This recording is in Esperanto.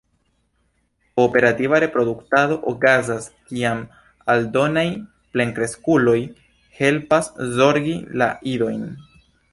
Kooperativa reproduktado okazas kiam aldonaj plenkreskuloj helpas zorgi la idojn.